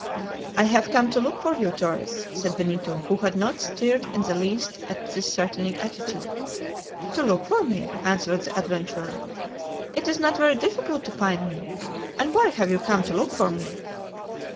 "I have come to look for you, Torres," said Benito, who had not stirred in the least at this threatening attitude. "To look for me?" answered the adventurer. "It is not very difficult to find me. And why have you come to look for me?"